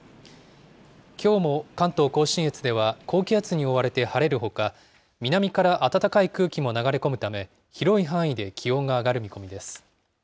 きょうも関東甲信越では、高気圧に覆われて晴れるほか、南から暖かい空気も流れ込むため、広い範囲で気温が上がる見込みです。